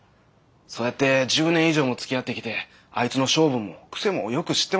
そうやって１０年以上もつきあってきてあいつの性分も癖もよく知ってます。